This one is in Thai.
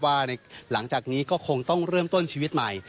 ว่าหลังจากนี้ก็คงต้องเริ่มต้นชีวิตใหม่